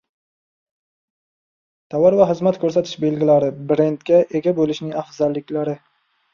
Tovar va xizmat ko‘rsatish belgilari – “brend”ga ega bo‘lishning afzalliklari